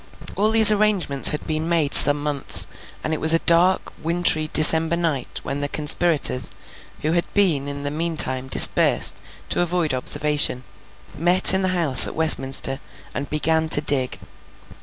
All these arrangements had been made some months, and it was a dark, wintry, December night, when the conspirators, who had been in the meantime dispersed to avoid observation, met in the house at Westminster, and began to dig.